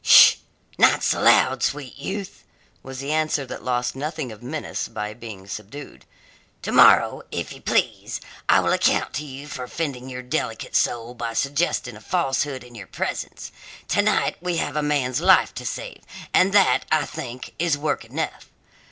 "Sh! Not so loud, sweet youth," was the answer that lost nothing of menace by being subdued. "Tomorrow, if you please, I will account to you for offending your delicate soul by suggesting a falsehood in your presence. To night we have a man's life to save, and that, I think, is work enough.